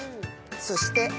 そして。